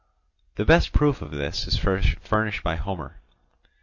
The best proof of this is furnished by Homer.